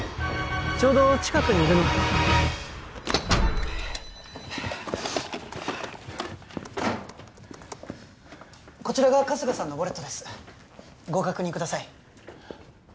ちょうど近くにいるのでこちらが春日さんのウォレットですご確認ください